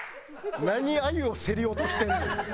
何あゆを競り落としてんねん。